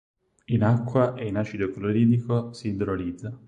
In acqua e in acido cloridrico si idrolizza.